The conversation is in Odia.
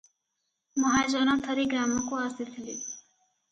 ମହାଜନ ଥରେ ଗ୍ରାମକୁ ଆସିଥିଲେ ।